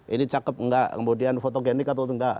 ini cakep nggak kemudian fotogenik atau enggak